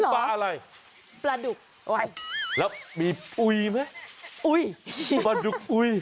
ปลาดุกไวแล้วมีปุ๋ยไหมปลาดุกปุ๋ย